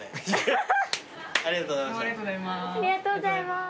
ありがとうございます。